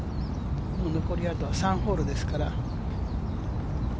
残り３ホールですから。